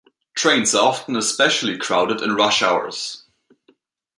Trains are often especially crowded in rush hours.